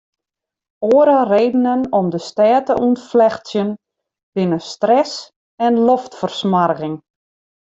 Oare redenen om de stêd te ûntflechtsjen binne stress en loftfersmoarging.